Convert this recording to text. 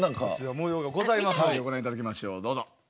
模様がございますのでご覧いただきましょうどうぞ。